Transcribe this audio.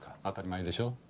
当たり前でしょ。